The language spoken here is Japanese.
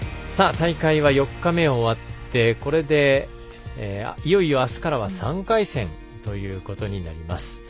大会は４日目を終わってこれで、いよいよあすからは３回戦ということになります。